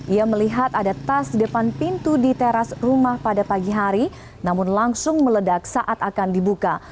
ia melihat ada tas di depan pintu di teras rumah pada pagi hari namun langsung meledak saat akan dibuka